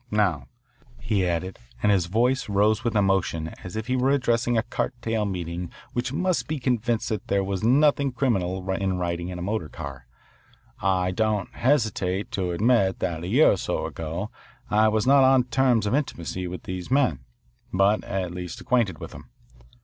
Now," he added, and his voice rose with emotion as if he were addressing a cart tail meeting which must be convinced that there was nothing criminal in riding in a motor car, "I don't hesitate to admit that a year or so ago I was not on terms of intimacy with these men, but at least acquainted with them.